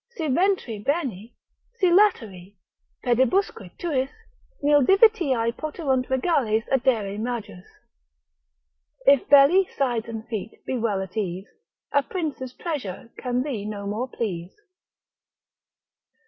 Si ventri bene, si lateri, pedibusque tuis, nil Divitiae poterunt regales addere majus. If belly, sides and feet be well at ease, A prince's treasure can thee no more please.